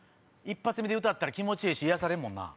１発目で歌ったら気持ちええし癒やされるもんな。